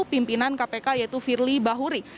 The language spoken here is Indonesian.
pimpinan kpk yaitu firly bahuri